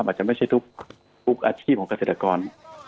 อาจจะไม่ใช่ทุกอาชีพของเกษตรกร